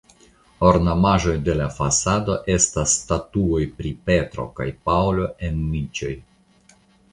Ornamaĵoj de la fasado estas statuoj pri Petro kaj Paŭlo en niĉoj.